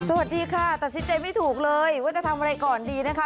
สวัสดีค่ะตัดสินใจไม่ถูกเลยว่าจะทำอะไรก่อนดีนะคะ